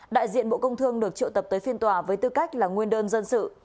đại diện bộ công thương được triệu tập tới phiên tòa với tư cách là nguyên đơn dân sự